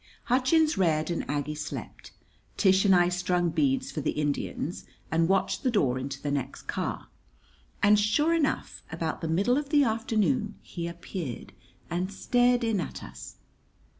Hutchins read and Aggie slept. Tish and I strung beads for the Indians, and watched the door into the next car. And, sure enough, about the middle of the afternoon he appeared and stared in at us.